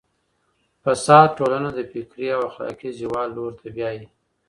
فساد ټولنه د فکري او اخلاقي زوال لور ته بیايي.